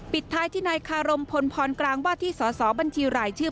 ปิดท้ายที่นายคารมพลพรกลางว่าที่สอสอบัญชีรายชื่อ